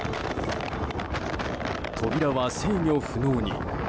扉は制御不能に。